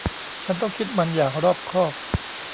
ฉันต้องคิดมันอย่างรอบคอบ